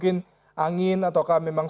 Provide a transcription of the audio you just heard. banyak sekali pohon yang tumbang